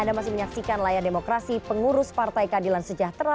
anda masih menyaksikan layar demokrasi pengurus partai keadilan sejahtera